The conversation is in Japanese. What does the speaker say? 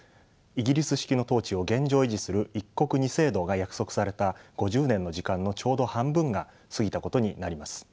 イギリス式の統治を現状維持する「一国二制度」が約束された５０年の時間のちょうど半分が過ぎたことになります。